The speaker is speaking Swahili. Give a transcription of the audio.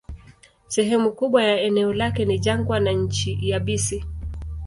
Sehemu kubwa ya eneo lake ni jangwa na nchi yabisi.